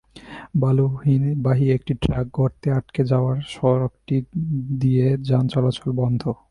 বালুবাহী একটি ট্রাক গর্তে আটকে যাওয়ায় সড়কটি দিয়ে যান চলাচল বন্ধ।